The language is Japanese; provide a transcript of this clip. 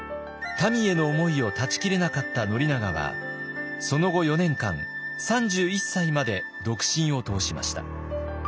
たみへの思いを断ち切れなかった宣長はその後４年間３１歳まで独身を通しました。